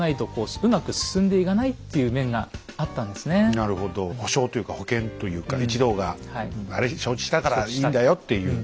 なるほど保証というか保険というかね一同があれ承知したからいいんだよっていう。